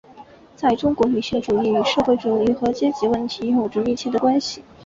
在中国女性主义与社会主义和阶级问题有着密切的关系。